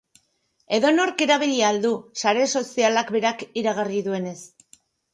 Edonork erabili ahal du, sare sozialak berak iragarri duenez.